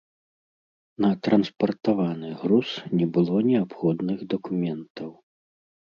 На транспартаваны груз не было неабходных дакументаў.